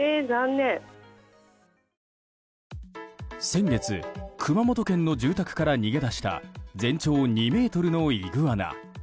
先月、熊本県の住宅から逃げ出した全長２ｍのイグアナ。